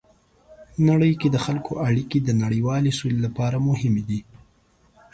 نړۍ کې د خلکو اړیکې د نړیوالې سولې لپاره مهمې دي.